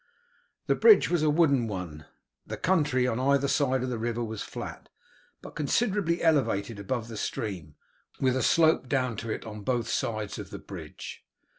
The bridge was a wooden one, the country on either side of the river was flat, but considerably elevated above the stream, with a slope down to it on both sides of the bridge.